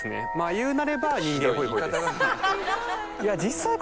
言うなれば人間ホイホイです